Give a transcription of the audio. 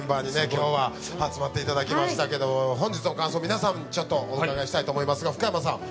今日は集まっていただきましたけど本日の感想皆さんちょっとお伺いしたいと思いますが福山さん